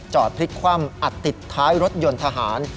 พลิกคว่ำอัดติดท้ายรถยนต์ทหาร